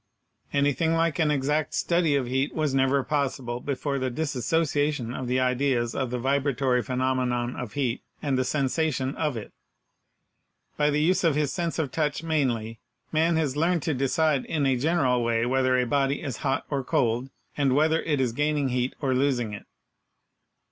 Anything like an exact study of heat was never possible before the dissociation of the ideas of the vibratory phe nomenon of heat and the sensation of it. By the use of his sense of touch mainly, man has learned to decide in a gen eral way whether a body is hot or cold, and whether it is gaining heat or losing it.